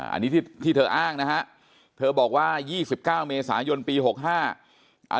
อันนี้ที่ที่เธออ้างนะฮะเธอบอกว่ายี่สิบเก้าเมษายนปีหกห้า